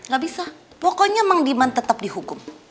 gak bisa pokoknya mang diman tetep dihukum